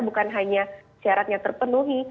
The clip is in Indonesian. bukan hanya syaratnya terpenuhi